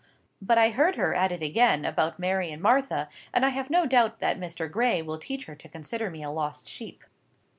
But I heard her at it again about Mary and Martha, and I have no doubt that Mr. Gray will teach her to consider me a lost sheep."